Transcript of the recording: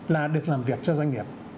là được làm việc cho doanh nghiệp